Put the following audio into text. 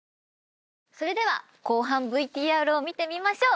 それでは後半ＶＴＲを見てみましょう。